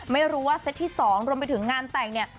ไม่รู้ว่าเซตที่๒รวมไปถึงงานแต่งเนี่ย